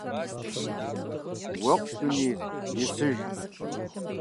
Уэгъущ дунейр, есыж.